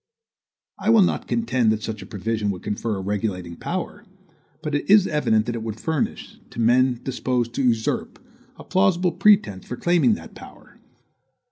I will not contend that such a provision would confer a regulating power; but it is evident that it would furnish, to men disposed to usurp, a plausible pretense for claiming that power.